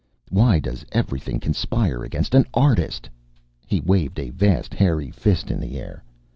"Why does everything conspire against an artist?" He waved a vast, hairy fist in the air.